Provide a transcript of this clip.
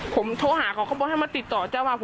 ผมโทรหาเขาบอกให้มาติดต่อเจ้าอาวาส